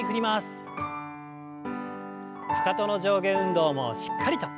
かかとの上下運動もしっかりと。